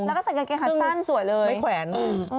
แล้วก็ใส่กางเกงคัดสั้นสวยเลย